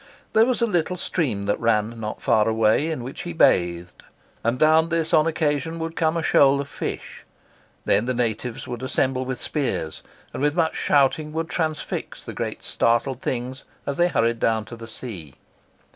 There was a little stream that ran not far away, in which he bathed, and down this on occasion would come a shoal of fish. Then the natives would assemble with spears, and with much shouting would transfix the great startled things as they hurried down to the sea.